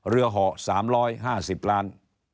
เรือห่อ๓๕๐ล้าน